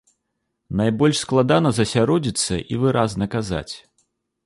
Найбольш складана засяродзіцца і выразна казаць.